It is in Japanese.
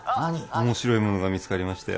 面白いものが見つかりましたよ